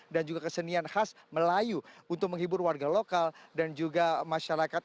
dan juga kesenian khas melayu untuk menghibur warga lokal dan juga masyarakat